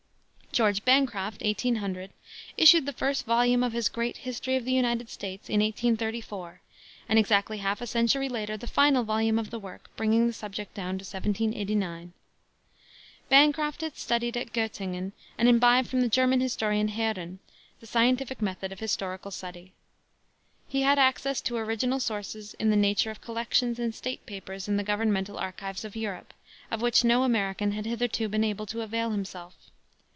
George Bancroft (1800 ) issued the first volume of his great History of the United States in 1834, and exactly half a century later the final volume of the work, bringing the subject down to 1789. Bancroft had studied at Göttingen and imbibed from the German historian Heeren the scientific method of historical study. He had access to original sources, in the nature of collections and state papers in the governmental archives of Europe, of which no American had hitherto been able to avail himself.